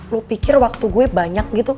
lu pikir waktu gue banyak gitu